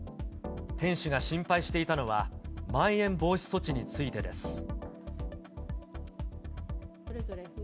店主が心配していたのは、まん延防止措置についてです。